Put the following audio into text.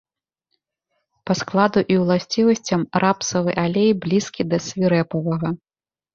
Па складу і уласцівасцям рапсавы алей блізкі да свірэпавага.